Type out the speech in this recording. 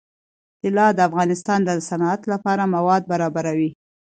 طلا د افغانستان د صنعت لپاره مواد برابروي.